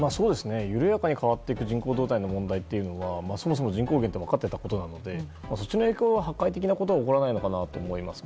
緩やかに変わってくる人口動態とそもそも人口減は分かっていたことなのでそっちの影響は破壊的なことは起こらないのかなと思います。